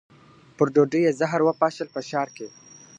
پر ډوډۍ یې زهر وپاشل په ښار کي.